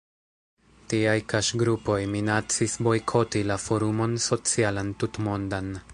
Tiaj kaŝgrupoj minacis bojkoti la Forumon Socialan Tutmondan.